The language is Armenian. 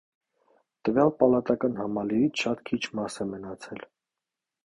Տվյալ պալատական համալիրից շատ քիչ մաս է մնացել։